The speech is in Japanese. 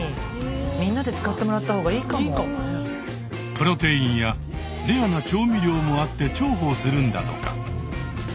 プロテインやレアな調味料もあって重宝するんだとか。